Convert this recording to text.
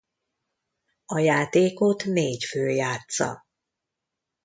A játékot négy fő játssza.